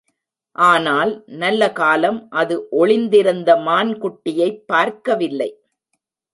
ஆனால், நல்லகாலம் அது ஒளிந் திருந்த மான்குட்டியைப் பார்க்கவில்லை!